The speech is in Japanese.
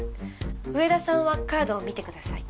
上田さんはカードを見てください。